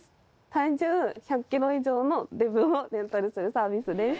体重１００キロ以上のデブをレンタルするサービスです。